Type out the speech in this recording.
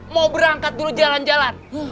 mau berangkat dulu jalan jalan